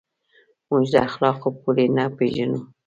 موږ د اخلاقو پولې نه پېژنو.